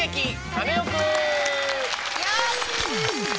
カネオくん」！